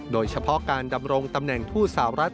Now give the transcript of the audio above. โดยเฉพาะการดำรงตำแหน่งผู้สาวรัฐ